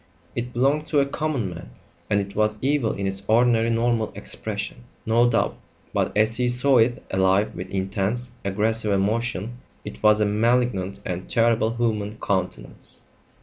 It belonged to a common man, and it was evil in its ordinary normal expression, no doubt, but as he saw it, alive with intense, aggressive emotion, it was a malignant and terrible human countenance.